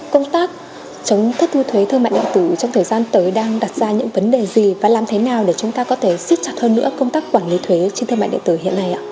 công tác chống thất thu thuế thương mại điện tử trong thời gian tới đang đặt ra những vấn đề gì và làm thế nào để chúng ta có thể xích chặt hơn nữa công tác quản lý thuế trên thương mại điện tử hiện nay ạ